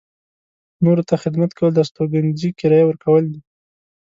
نورو ته خدمت کول د استوګنځي کرایه ورکول دي.